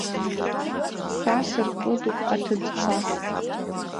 Са сыркыдуп аҭыӡқәа.